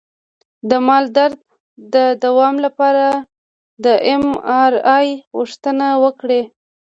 د ملا درد د دوام لپاره د ایم آر آی غوښتنه وکړئ